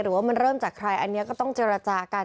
ว่ามันเริ่มจากใครอันนี้ก็ต้องเจรจากัน